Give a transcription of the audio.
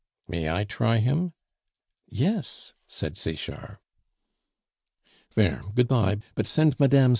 "May I try him?" "Yes," said Sechard. "There, good bye, but send Mme.